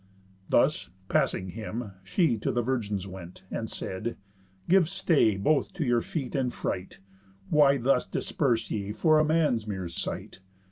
Thus, passing him, she to the virgins went, And said: "Give stay both to your feet and fright. Why thus disperse ye for a man's mere sight?